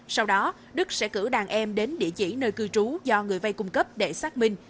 sau đó đức sẽ cử đàn em đến địa chỉ nơi cư trú do người vay cung cấp để xác minh